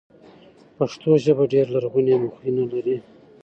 پښتو ژبه ډېره لرغونې مخینه لري.